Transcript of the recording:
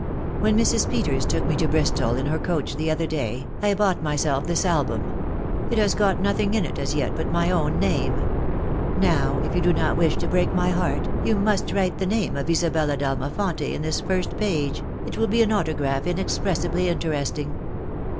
When Mrs. Peters took me to Bristol in lier coach the other day, I bought myself this album ; it has got nothing in it as yet but my own name ; now, if you do not wish to break my heart, you must write the name of Isabella d'Almafonte in this first page .... it will be an autograph inexpressibly interesting